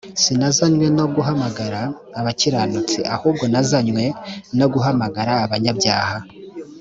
sinazanywe no guhamagara abakiranutsi ahubwo nazanywe no guhamagara abanyabyaha